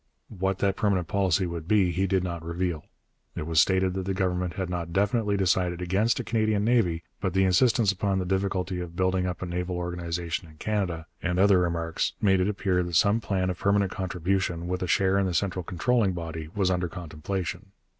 What that permanent policy would be he did not reveal. It was stated that the Government had not definitely decided against a Canadian navy, but the insistence upon the difficulty of building up a naval organization in Canada, and other remarks, made it appear that some plan of permanent contribution, with a share in the central controlling body, was under contemplation.